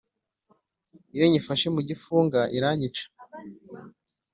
Iyo nyifashe mu gifunga iranyica